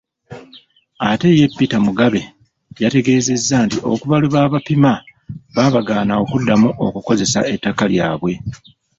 Ate ye Peter Mugabe yategeezezza nti okuva lwe baabapima, baabagaana okuddamu okukozesa ettaka lyabwe.